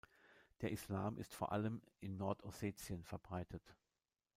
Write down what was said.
Der Islam ist vor allem in Nordossetien verbreitet.